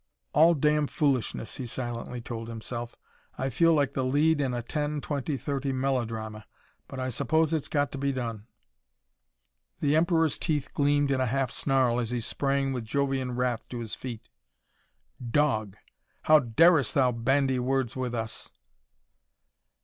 "All damn foolishness," he silently told himself. "I feel like the lead in a ten, twenty, thirty melodrama. But I suppose it's got to be done." The Emperor's teeth gleamed in a half snarl as he sprang with Jovian wrath to his feet. "Dog! How darest thou bandy words with us?"